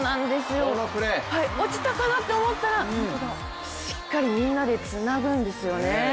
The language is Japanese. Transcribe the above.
落ちたかなと思ったらしっかりみんなでつなぐんですよね。